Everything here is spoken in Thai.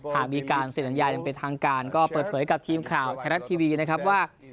หากมีการเซ็นสัญญาอย่างเป็นทางการก็เปิดเผยกับทีมข่าวไทยรัฐทีวีนะครับว่า